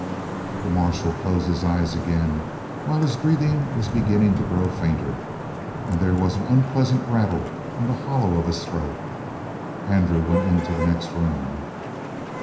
The marshal closed his eyes again, while his breathing was beginning to grow fainter, and there was an unpleasant rattle in the hollow of his throat. Andrew went into the next room.